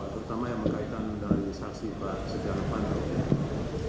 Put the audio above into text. terutama yang berkaitan dari saksi pak setia rufanto